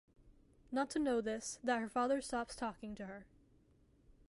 Not to know this that her father stops talking to her.